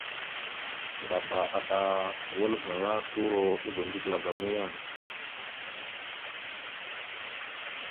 Ŋgaba ata wal gaŋa turo ozum zigəla ga muyang.